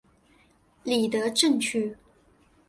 里德镇区。